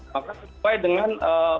maka sesuai dengan